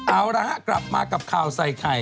เอาละฮะกลับมากับข่าวใส่ไข่